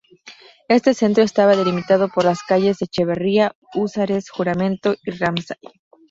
Este centro estaba delimitado por las calles Echeverría, Húsares, Juramento y Ramsay.